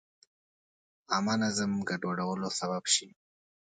عامه نظم ګډوډولو سبب شي.